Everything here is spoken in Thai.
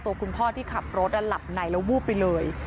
คุณพ่อที่ขับรถหลับในแล้ววูบไปเลย